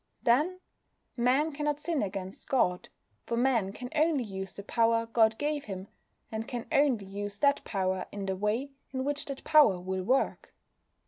Then, Man cannot sin against God, for Man can only use the power God gave him, and can only use that power in the way in which that power will work.